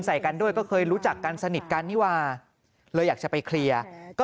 ใส่กันด้วยก็เคยรู้จักกันสนิทกันนิวาเลยอยากจะไปเคลียร์ก็